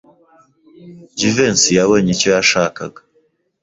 Jivency yabonye icyo yashakaga.